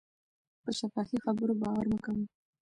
په شفاهي خبرو باور مه کوئ.